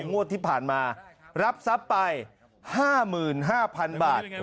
งวดที่ผ่านมารับทรัพย์ไปห้าหมื่นห้าพันบาท